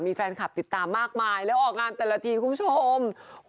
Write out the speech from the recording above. มีแฟนคลับติดตามมากมายแล้วออกงานแต่ละทีคุณผู้ชม